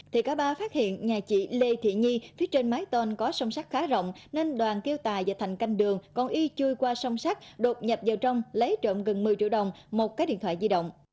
thì cả ba phát hiện nhà chị lê thị nhi phía trên mái tôn có sông sát khá rộng nên đoàn kêu tài và thành canh đường còn y chui qua sông sắc đột nhập vào trong lấy trộm gần một mươi triệu đồng một cái điện thoại di động